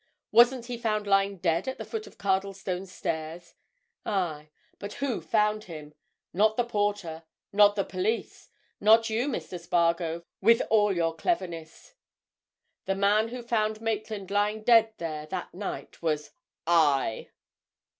Wasn't he found lying dead at the foot of Cardlestone's stairs? Aye—but who found him? Not the porter—not the police—not you, Master Spargo, with all your cleverness. The man who found Maitland lying dead there that night was—I!"